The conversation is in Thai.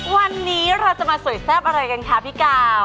วันนี้เราจะมาสวยแซ่บอะไรกันคะพี่กาว